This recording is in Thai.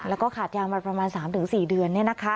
แล้วก็ขาดยามาประมาณ๓๔เดือนเนี่ยนะคะ